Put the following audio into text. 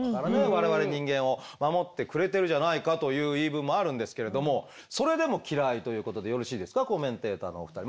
我々人間を守ってくれてるじゃないかという言い分もあるんですけれどもそれでも嫌いということでよろしいですかコメンテーターのお二人。